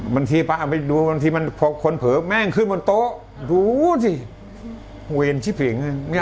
บางทีป๊าไปดูบางทีมันคนเผิกแม่งขึ้นบนโต๊ะดูสิเวรชิบหลิงเนี้ย